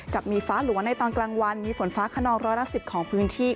กับมีฟ้าหลัวในตอนกลางวันมีฝนฟ้าขนองร้อยละ๑๐ของพื้นที่